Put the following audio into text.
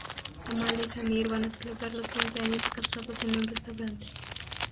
Amal y Samir van a celebrar los veinte años de casados en un restaurante.